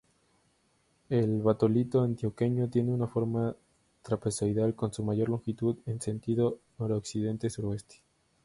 El Batolito Antioqueño tiene una forma trapezoidal con su mayor longitud en sentido Noroccidente-Sureste.